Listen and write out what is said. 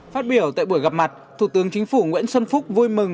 phát biểu tại buổi gặp mặt thủ tướng chính phủ nguyễn xuân phúc vui mừng